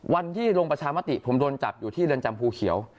วันที่ลงประชามติผมโดนจับอยู่ที่เรือนจำภูเขียว